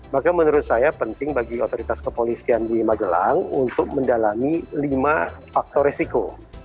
maka menurut saya penting bagi otoritas kepolisian di magelang untuk mendalami lima faktor resiko